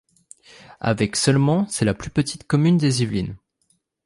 Avec seulement, c'est la plus petite commune des Yvelines.